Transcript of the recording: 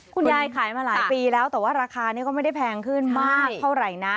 คุณยายขายมาหลายปีแล้วแต่ว่าราคานี้ก็ไม่ได้แพงขึ้นมากเท่าไหร่นะ